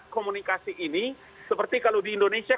komunikasi ini seperti kalau di indonesia